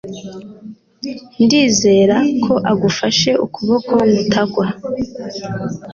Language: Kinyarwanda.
Ndizera ko agufashe ukuboko ngutagwa